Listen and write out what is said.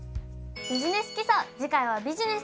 「ビジネス基礎」